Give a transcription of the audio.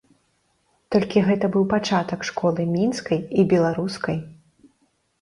Толькі гэта быў пачатак школы мінскай і беларускай.